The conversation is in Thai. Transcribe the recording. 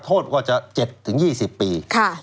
โทษก็จะ๗๒๐ปี